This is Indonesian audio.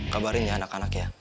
kabarin ya anak anak ya